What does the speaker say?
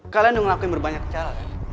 kalian udah ngelakuin berbanyak cara